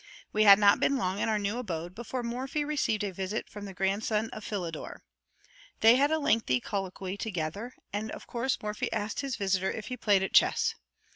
We had not been long in our new abode before Morphy received a visit from the grandson of Philidor. They had a lengthy colloquy together, and of course Morphy asked his visitor if he played at chess.